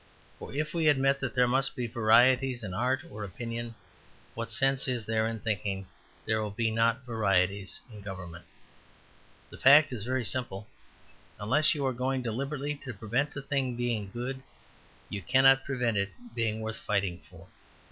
For if we admit that there must be varieties in art or opinion what sense is there in thinking there will not be varieties in government? The fact is very simple. Unless you are going deliberately to prevent a thing being good, you cannot prevent it being worth fighting for.